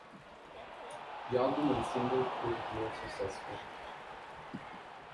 The album and single proved more successful.